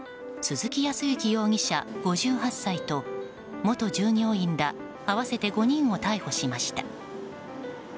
鈴木康之容疑者、５８歳と元従業員ら合わせて５人を逮捕しました。